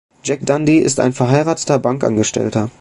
Jack Dundee ist ein verheirateter Bankangestellter.